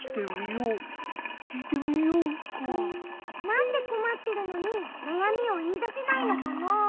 なんでこまってるのになやみをいいだせないのかな？